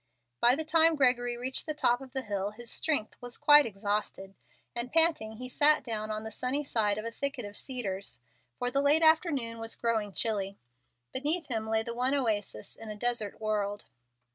By the time Gregory reached the top of the hill his strength was quite exhausted, and, panting, he sat down on the sunny side of a thicket of cedars, for the late afternoon was growing chilly. Beneath him lay the one oasis in a desert world.